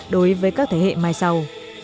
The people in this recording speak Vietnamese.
đối với các thế hệ mai sau